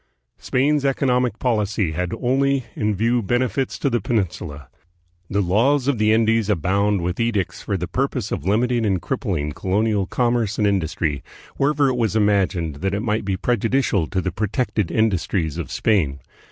Spain's economic policy had only in view benefits to the Peninsula. "The Laws of the Indies" abound with edicts for the purpose of limiting and crippling colonial commerce and industry, wherever it was imagined that it might be prejudicial to the protected industries of Spain.